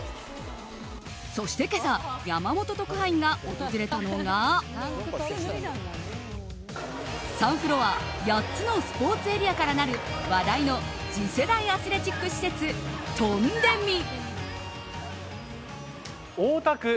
そして今朝山本特派員が訪れたのが３フロア８つのスポーツエリアからなる話題の次世代アスレチック施設トンデミ。